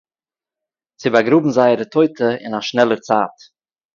צו באַגראָבן זייערע טויטע אין אַ שנעלער צייט